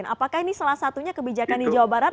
apakah ini salah satunya kebijakan di jawa barat